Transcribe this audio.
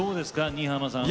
新浜さん